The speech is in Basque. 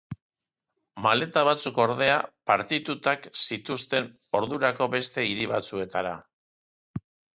Maleta batzuk ordea partituak zituzten ordurako beste hiri batzuetara.